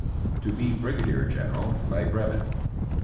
To be Brigadier General by Brevet.